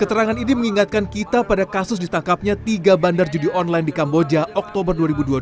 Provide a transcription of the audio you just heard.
keterangan ini mengingatkan kita pada kasus ditangkapnya tiga bandar judi online di kamboja oktober dua ribu dua puluh